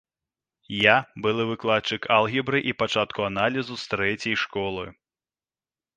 Я былы выкладчык алгебры і пачатку аналізу з трэцяй школы.